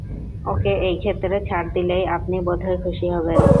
ওকে এইক্ষেত্রে ছাড় দিলেই আপনি বোধ হয় খুশি হবেন।